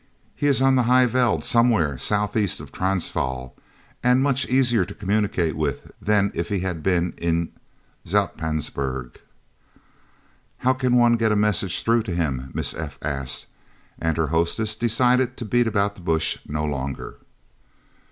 He is on the High Veld, somewhere south east of Transvaal, and much easier to communicate with than if he had been in Zoutpansberg." "How could one get a message through to him?" Miss F. asked, and her hostess decided to beat about the bush no longer.